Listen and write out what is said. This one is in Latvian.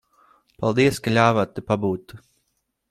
Paldies, ka ļāvāt te pabūt.